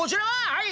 はい！